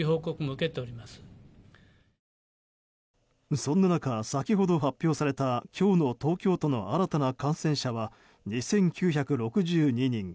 そんな中、先ほど発表された今日の東京都の新たな感染者は２９６２人。